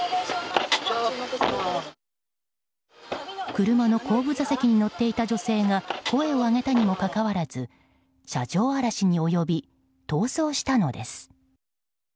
車の後部座席に乗っていた女性が声を上げたにもかかわらず車上荒らしに及び逃走したのです。